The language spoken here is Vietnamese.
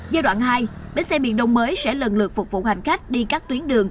giai đoạn hai bến xe miền đông mới sẽ lần lượt phục vụ hành khách đi các tuyến đường